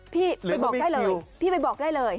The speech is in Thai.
พี่ไปบอกได้เลยพี่ไปบอกได้เลย